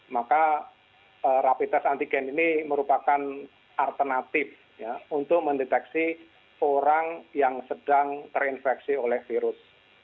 maka rapid test antigen ini merupakan alternatif untuk mendeteksi orang yang sedang terinfeksi oleh virus